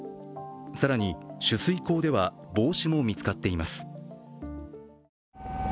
更に取水口では帽子も見つかっています。